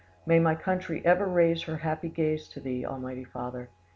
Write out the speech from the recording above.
"May my country ever raise her happy gaze to Thee, Almighty Father!